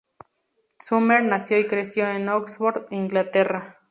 Sumner nació y creció en Oxford, Inglaterra.